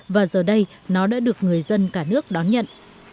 và giờ đây nó đã được người dân cả nước đón nhận